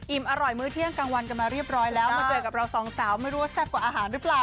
อร่อยมื้อเที่ยงกลางวันกันมาเรียบร้อยแล้วมาเจอกับเราสองสาวไม่รู้ว่าแซ่บกว่าอาหารหรือเปล่า